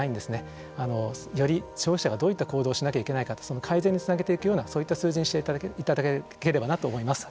より消費者がどういった行動をしなきゃいけないかってその改善につなげていくようなそういった数字にしていただければなと思います。